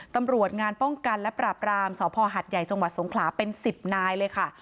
ตำรวจงานป้องกันและปราบรามสพหัดใหญ่จังหวัดสงขลาเป็น๑๐นายเลยค่ะ